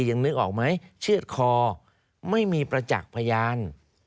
ยังนึกออกไหมเชื่อดคอไม่มีประจักษ์พยาน